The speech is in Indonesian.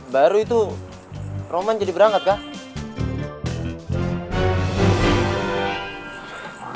baru itu roman jadi berangkat kak